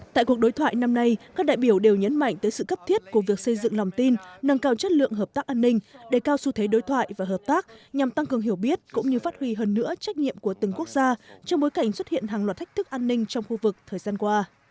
tại cuộc đối thoại năm nay các đại biểu đều nhấn mạnh tới sự cấp thiết của việc xây dựng lòng tin nâng cao chất lượng hợp tác an ninh đề cao xu thế đối thoại và hợp tác nhằm tăng cường hiểu biết cũng như phát huy hơn nữa trách nhiệm của từng quốc gia trong bối cảnh xuất hiện hàng loạt thách thức an ninh trong khu vực thời gian qua